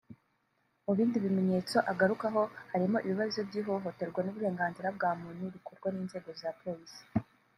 Mu bindi bimenyetso agarukaho harimo ibibazo by’ihohoterwa ry’uburenganzira bwa muntu rikorwa n’inzego za Polisi